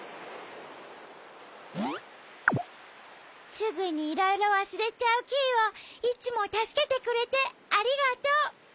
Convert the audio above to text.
すぐにいろいろわすれちゃうキイをいつもたすけてくれてありがとう。